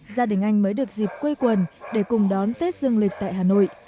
gia đình anh mới được dịp quây quần để cùng đón tết dương lịch tại hà nội